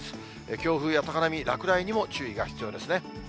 強風や高波、落雷にも注意が必要ですね。